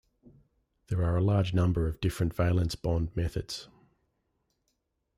There are a large number of different valence bond methods.